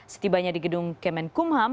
setibanya di gedung kementerian hukum dan ham